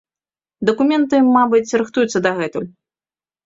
Дакументы, мабыць, рыхтуюцца дагэтуль.